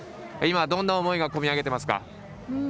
今、どんな思いが込み上げてますか。